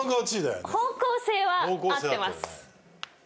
方向性は合ってます。